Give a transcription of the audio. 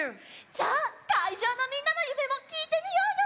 じゃあかいじょうのみんなのゆめもきいてみようよ！